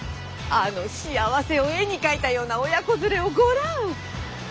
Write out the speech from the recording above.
あの幸せを絵に描いたような親子連れをごらん。